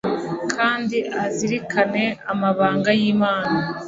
kandi azirikane amabanga y'imana